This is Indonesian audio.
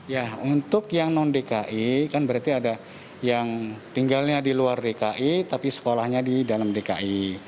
ya untuk yang non dki kan berarti ada yang tinggalnya di luar dki tapi sekolahnya di dalam dki